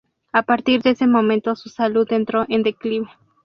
A partir de ese momento su salud entró en declive.